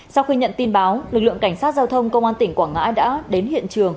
sau khi nhận tin báo lực lượng cảnh sát giao thông công an tỉnh quảng ngãi đã đến hiện trường